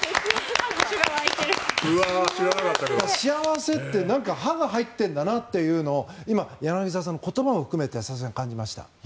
「歯あわせ」って歯が入っているんだなというのを今、柳澤さんの言葉を含めて佐々木さん感じました。